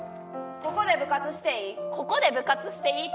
ここで部活していい？